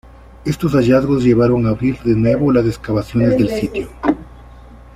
Estos hallazgos llevaron a abrir de nuevo las excavaciones del sitio.